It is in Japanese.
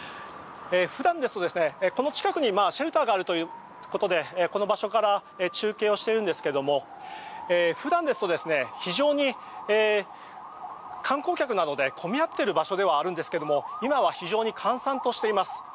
普段ですと、この近くにシェルターがあるということでこの場所から中継をしているんですけども普段ですと、非常に観光客などで混み合っている場所ではあるんですが今は非常に閑散としています。